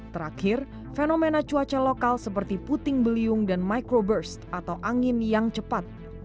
terakhir fenomena cuaca lokal seperti puting beliung dan microburst atau angin yang cepat